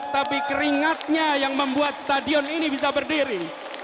tapi keringatnya yang membuat stadion ini bisa berdiri